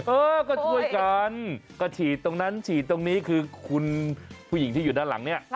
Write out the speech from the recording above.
เออก็ช่วยกันก็ฉีดตรงนั้นฉีดตรงนี้คือคุณผู้หญิงที่อยู่ด้านหลังเนี่ย